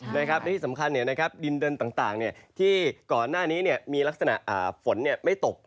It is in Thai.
และที่สำคัญดินเดินต่างที่ก่อนหน้านี้มีลักษณะฝนไม่ตก